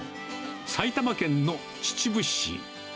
埼玉県の秩父市。